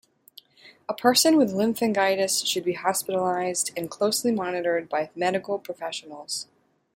A person with lymphangitis should be hospitalized and closely monitored by medical professionals.